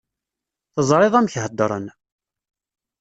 Teẓriḍ amek heddren.